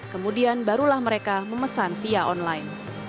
kemudian barulah mereka memesan via online